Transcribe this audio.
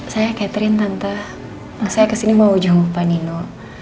saya catherine tante saya kesini mau jumpa nino